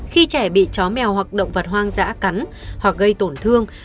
khi trẻ bị chó mèo hoặc động vật hoang dã cắn hoặc gây tổn thương